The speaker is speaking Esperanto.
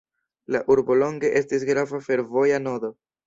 La urbo longe estis grava fervoja nodo.